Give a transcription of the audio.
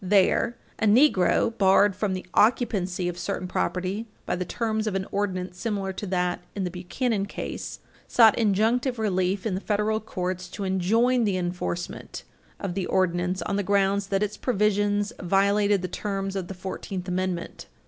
There, a Negro, barred from the occupancy of certain property by the terms of an ordinance similar to that, in the Buchanan case, sought injunctive relief in the federal courts to enjoin the enforcement of the ordinance on the grounds that its provisions violated the terms of the Fourteenth Amendment.